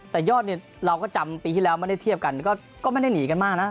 แต่ยอดเนี่ยเราก็จำปีที่แล้วไม่ได้เทียบกันก็ไม่ได้หนีกันมากนะ